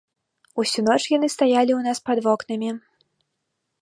Усю ноч яны стаялі ў нас пад вокнамі.